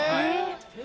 え！